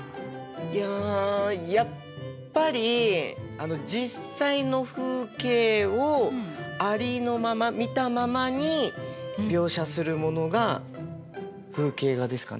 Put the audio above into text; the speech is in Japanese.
いややっぱり実際の風景をありのまま見たままに描写するものが風景画ですかね。